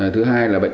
thứ hai là bệnh